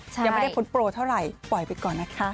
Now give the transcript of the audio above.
ยังไม่ได้พ้นโปรเท่าไหร่ปล่อยไปก่อนนะคะ